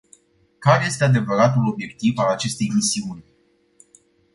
Care este adevăratul obiectiv al acestei misiuni?